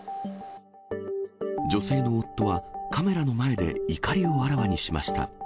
女性の夫は、カメラの前で怒りをあらわにしました。